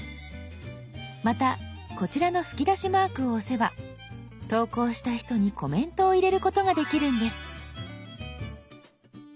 またこちらの吹き出しマークを押せば投稿した人にコメントを入れることができるんです。